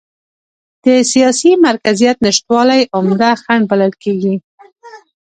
د سیاسي مرکزیت نشتوالی عمده خنډ بلل کېږي.